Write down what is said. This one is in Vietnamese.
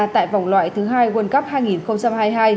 tại vòng loại thứ hai quân cấp hai nghìn hai mươi hai